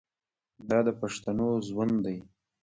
دا د پښتنو ژوند دی.